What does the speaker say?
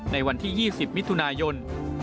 ในวันที่๒๐มิถุนายน